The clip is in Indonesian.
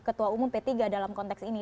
ketua umum p tiga dalam konteks ini